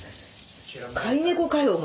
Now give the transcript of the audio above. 飼い猫かよお前。